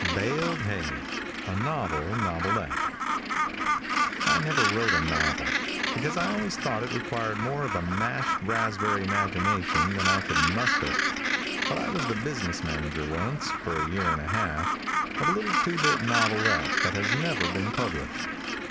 BALED HAY A NOVEL NOVELETTE |I NEVER wrote a novel, because I always thought it required more of a mashed rasp berry imagination than I could muster, but I was the business manager, once, for a year and a half, of a little two bit novelette that has never been published.